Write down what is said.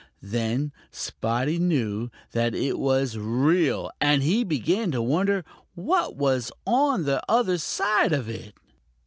Then Spotty knew that it was real, and he began to wonder what was on the other side of it.